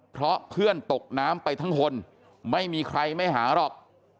เพราะเพื่อนตกน้ำไปทั้งคนไม่มีใครไม่หาหรอก